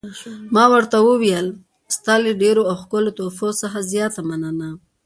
ما ورته وویل: ستا له ډېرو او ښکلو تحفو څخه زیاته مننه.